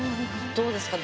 どうですか？